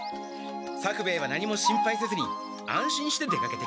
作兵衛は何も心配せずに安心して出かけてくれ。